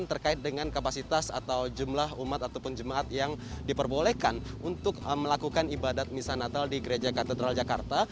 jadi kita hanya dengan kapasitas atau jumlah umat ataupun jemaat yang diperbolehkan untuk melakukan ibadat misa natal di gereja katedral jakarta